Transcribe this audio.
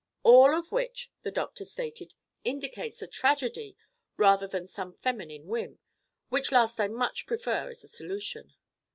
"All of which," the doctor stated, "indicates a tragedy rather than some feminine whim—which last I much prefer as a solution.